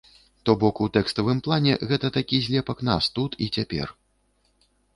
То бок у тэкставым плане гэта такі злепак нас тут і цяпер.